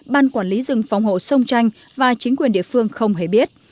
ban quản lý rừng phòng hộ sông tranh và chính quyền địa phương không hề biết